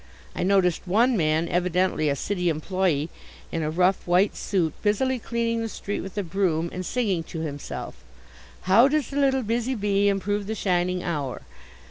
I noticed one man, evidently a city employe, in a rough white suit, busily cleaning the street with a broom and singing to himself: "How does the little busy bee improve the shining hour."